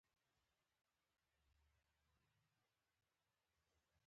زه د استاد لارښوونې یاد ساتم.